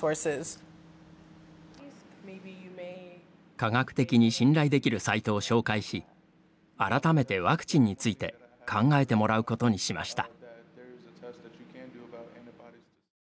科学的に信頼できるサイトを紹介し改めてワクチンについて考えてもらうことにしました。